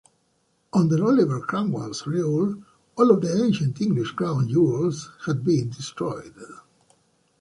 Under Oliver Cromwell's rule, all of the ancient English crown jewels had been destroyed.